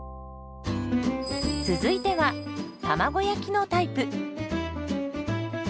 続いては卵焼きのタイプ。